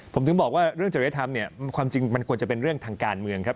ผมถึงบอกว่าเรื่องจริยธรรมเนี่ยความจริงมันควรจะเป็นเรื่องทางการเมืองครับ